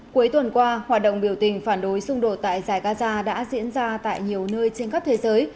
cuối tuần qua hoạt động biểu tình phản đối xung đột tại giải gaza đã diễn ra tại nhiều nơi trên khắp thế giới